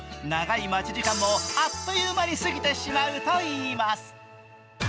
長い待ち時間もあっという間に過ぎてしまうといいます。